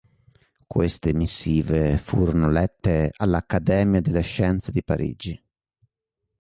Queste missive furono lette all'Accademia delle scienze di Parigi.